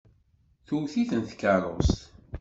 Tewwet-iten tkeṛṛust.